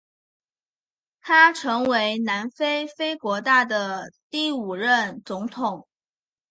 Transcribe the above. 他成为南非非国大的第五任总统。